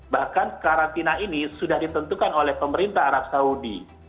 bahkan karantina ini sudah ditentukan oleh pemerintah arab saudi